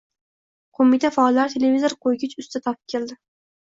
Qo‘mita faollari televizor qo‘ygich usta topib keldi.